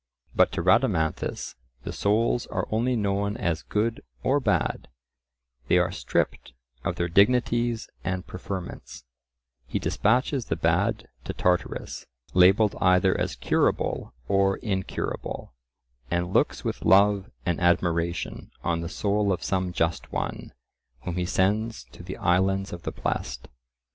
But to Rhadamanthus the souls are only known as good or bad; they are stripped of their dignities and preferments; he despatches the bad to Tartarus, labelled either as curable or incurable, and looks with love and admiration on the soul of some just one, whom he sends to the islands of the blest.